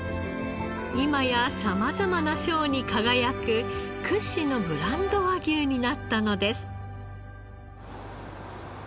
今や様々な賞に輝く屈指のブランド和牛になったのです。